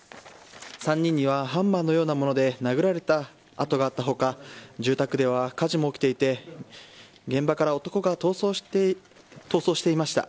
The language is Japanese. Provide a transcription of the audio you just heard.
３人にはハンマーのようなもので殴られた痕があった他住宅では火事も起きていて現場から男が逃走していました。